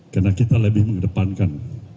karena kita lebih mengedepankan